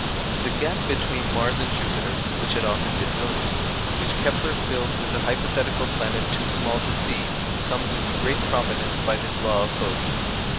The gap between Mars and Jupiter, which had often been noticed, and which Kepler filled with a hypothetical planet too small to see, comes into great prominence by this law of Bode.